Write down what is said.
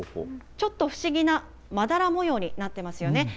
ちょっと不思議なまだら模様になっていますよね。